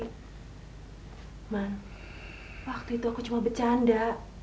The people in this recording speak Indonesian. cuman waktu itu aku cuma bercanda